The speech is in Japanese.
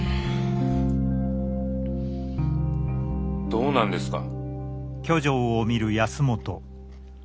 どうなんですか？